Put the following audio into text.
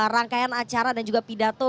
rangkaian acara dan juga pidato